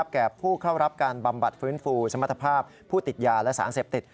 แก่ผู้เข้ารับการบำบัดฟื้นฟูสมรรถภาพผู้ติดยาและสารเสพติด